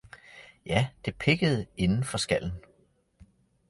Ja, det pikkede inden for skallen.